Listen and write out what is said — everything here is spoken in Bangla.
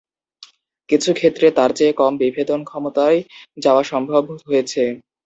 কিছু ক্ষেত্রে তার চেয়ে কম বিভেদনক্ষমতায় যাওয়া সম্ভব হয়েছে।